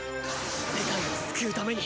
世界を救うために。